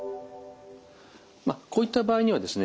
こういった場合にはですね